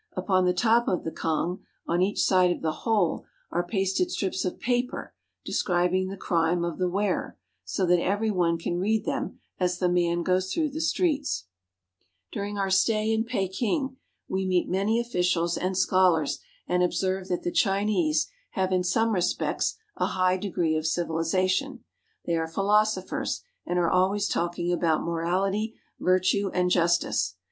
Upon the top of the cangue on each side of the hole are pasted strips of paper describing the crime of the wearer, so that every one can read them as the man goes throuerh the streets. ^''^^ f ^^' I During our stay in Peking we meet E f ^ J ^ ^^^S many officials and scholars and observe ^^^^ ft R^ 3?. 't that the Chinese have in some respects a high degree of civilization. They are philosophers, and are always talk ing about morality, virtue, and justice.